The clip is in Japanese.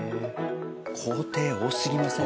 工程多すぎません？